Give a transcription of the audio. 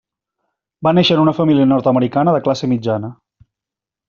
Va néixer en una família nord-americana de classe mitjana.